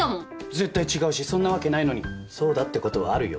絶対違うしそんなわけないのにそうだってことはあるよ？